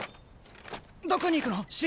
どこに行くの信っ！